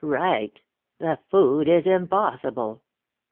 "Right? The food is impossible."